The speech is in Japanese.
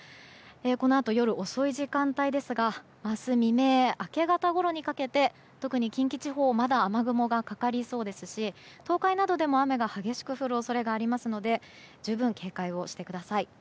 このあと夜遅い時間帯ですが明日未明、明け方ごろにかけて特に近畿地方はまだ雨雲がかかりそうですし東海などでも雨が激しく降る恐れがありますので十分警戒してください。